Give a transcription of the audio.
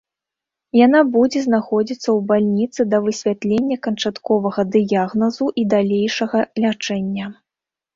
Яна будзе знаходзіцца ў бальніцы да высвятлення канчатковага дыягназу і далейшага лячэння.